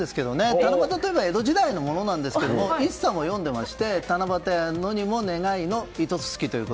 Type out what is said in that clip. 七夕といえば江戸時代のものですが一茶も詠んでおりまして「七夕や野にもねがいの糸すすき」。